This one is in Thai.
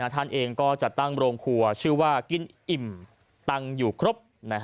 ท่านเองก็จัดตั้งโรงครัวชื่อว่ากินอิ่มตังค์อยู่ครบ